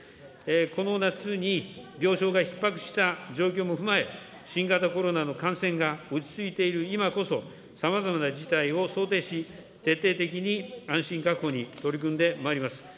この夏に病床がひっ迫した状況も踏まえ、新型コロナの感染が落ち着いている今こそ、さまざまな事態を想定し、徹底的に安心確保に取り組んでまいります。